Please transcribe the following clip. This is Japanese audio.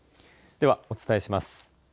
ではお伝えします。